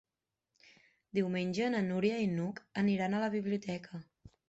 Diumenge na Núria i n'Hug aniran a la biblioteca.